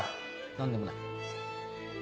何でもない。